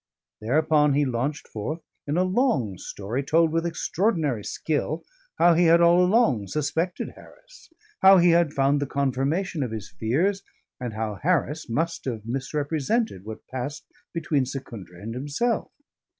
Thereupon he launched forth in a long story, told with extraordinary skill, how he had all along suspected Harris, how he had found the confirmation of his fears, and how Harris must have misrepresented what passed between Secundra and himself.